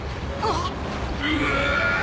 あっ！